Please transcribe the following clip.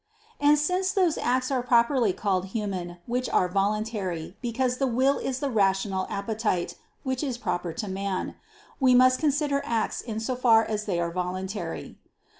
And since those acts are properly called human which are voluntary, because the will is the rational appetite, which is proper to man; we must consider acts in so far as they are voluntary.